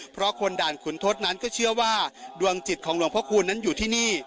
เพราะคนด่านขุนทศนั้นก็เชื่อว่าดวงจิตของหลวงพระคูณนั้นอยู่ที่นี่